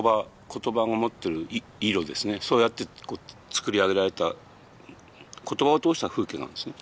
そうやって作り上げられた言葉を通した風景なんですね。